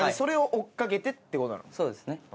そうですね。